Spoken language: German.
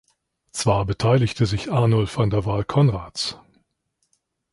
Zwar beteiligte sich Arnulf an der Wahl Konrads.